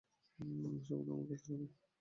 শোবানা, আমার কথা শোনো।